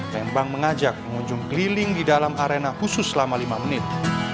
lembang mengajak pengunjung keliling di dalam arena khusus selama lima menit